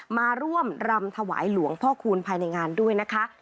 มาร่วมรำถวายหลวงพ่อคูณภายในงานด้วยนะคะ